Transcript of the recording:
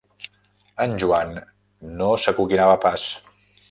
...en Joan no s'acoquinava pas